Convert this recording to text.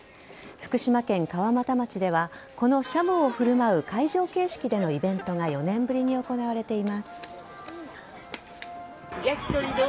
福島県川俣町ではこのシャモを振る舞う会場形式でのイベントが４年ぶりに行われています。